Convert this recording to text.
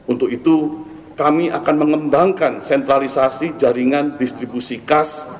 untuk itu kami akan mengembangkan sentralisasi jaringan distribusi kas